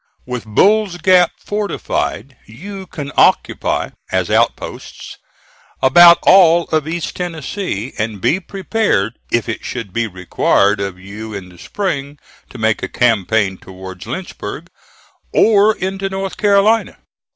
With Bull's Gap fortified, you can occupy as outposts about all of East Tennessee, and be prepared, if it should be required of you in the spring, to make a campaign towards Lynchburg, or into North Carolina.